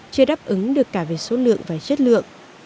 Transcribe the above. chưa đáp ứng được cả về số lượng và chất lượng